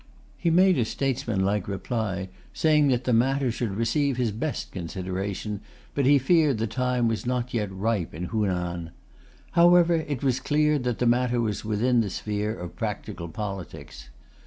He made a statesmanlike reply, saying that the matter should receive his best consideration, but he feared the time was not ripe in Hunan. However, it was clear that the matter was within the sphere of practical politics.